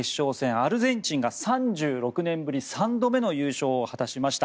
アルゼンチンが３６年ぶり３度目の優勝を果たしました。